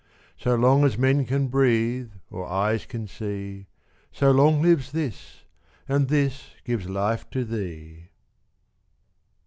So long as men can breathe, or eyes can see, So long lives this, and this gives life to thee.